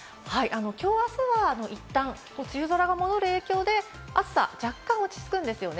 きょう、あすはいったん梅雨空が戻る影響で、暑さは若干落ち着くんですよね。